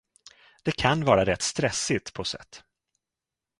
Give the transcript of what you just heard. Det kan vara rätt stressigt på set.